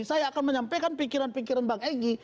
saya akan menyampaikan pikiran pikiran bang egy